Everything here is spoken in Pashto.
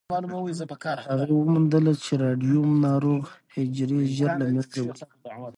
هغې وموندله چې راډیوم ناروغ حجرې ژر له منځه وړي.